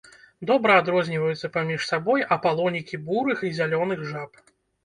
Добра адрозніваюцца паміж сабой апалонікі бурых і зялёных жаб.